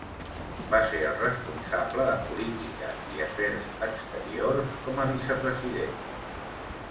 Va ser el responsable de política i afers exteriors, com a Vicepresident.